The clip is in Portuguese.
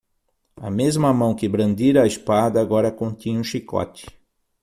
A mesma mão que brandira a espada agora continha um chicote.